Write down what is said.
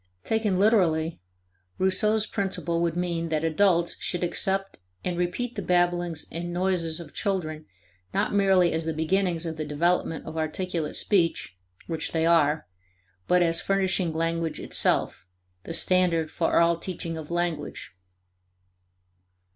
Taken literally, Rousseau's principle would mean that adults should accept and repeat the babblings and noises of children not merely as the beginnings of the development of articulate speech which they are but as furnishing language itself the standard for all teaching of language.